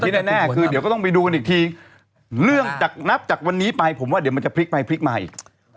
แน่คือเดี๋ยวก็ต้องไปดูกันอีกทีเรื่องจากนับจากวันนี้ไปผมว่าเดี๋ยวมันจะพลิกไปพลิกมาอีก